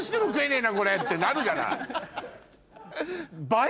ってなるじゃない。